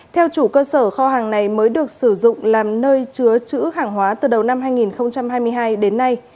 theo chủ cơ sở kho hàng này mới được sử dụng làm nơi chứa chữ hàng hóa từ đầu năm hai nghìn hai mươi hai đến nay